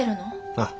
ああ。